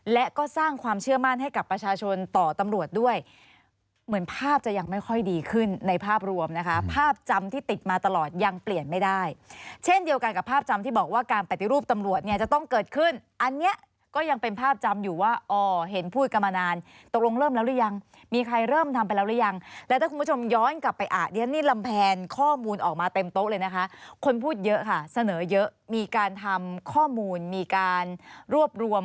และก็สร้างความเชื่อมั่นให้กับประชาชนต่อตำรวจด้วยเหมือนภาพจะยังไม่ค่อยดีขึ้นในภาพรวมนะคะภาพจำที่ติดมาตลอดยังเปลี่ยนไม่ได้เช่นเดียวกันกับภาพจำที่บอกว่าการปฏิรูปตำรวจเนี่ยจะต้องเกิดขึ้นอันเนี้ยก็ยังเป็นภาพจำอยู่ว่าอ่อเห็นพูดกันมานานตกลงเริ่มแล้วหรือยังมีใครเริ่